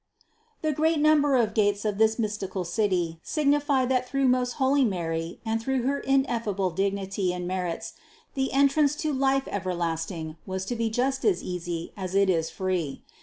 The great num ber of gates of this mystical City signify that through most holy Mary and through her ineffable dignity and merits, the entrance to life everlasting was to be just as easy as it is free.